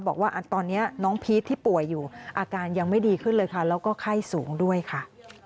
บอกว่าตอนนี้น้องพีชที่ป่วยอยู่อาการยังไม่ดีขึ้นเลยค่ะแล้วก็ไข้สูงด้วยค่ะ